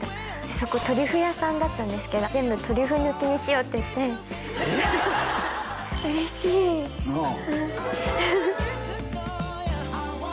そこトリュフ屋さんだったんですけど全部トリュフ抜きにしようって言って嬉しいなあ？